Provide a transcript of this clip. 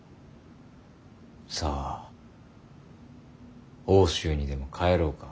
さあ奥州にでも帰ろうか。